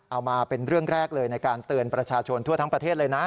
มาเป็นเรื่องแรกเลยในการเตือนประชาชนทั่วทั้งประเทศเลยนะ